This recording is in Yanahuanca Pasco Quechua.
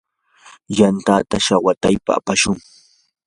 yantata shawataypa apashun.